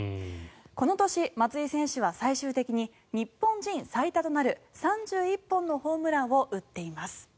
この年、松井選手は最終的に日本人最多となる３１本のホームランを打っています。